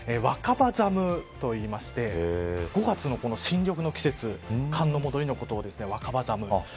若葉寒といいまして５月の新緑の季節寒の戻りのことを若葉寒。